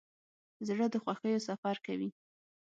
زړه د خوښیو سفر کوي.